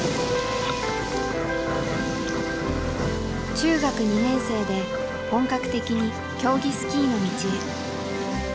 中学２年生で本格的に競技スキーの道へ。